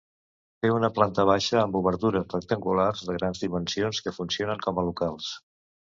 Té una planta baixa amb obertures rectangulars de grans dimensions, que funcionen com a locals.